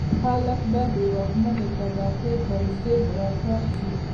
خلک به د واکمنې طبقې پر ضد را پاڅي.